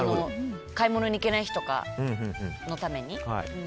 買い物に行けない日のために。